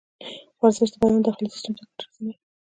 ورزش د بدن داخلي سیستم ته ګټه رسوي.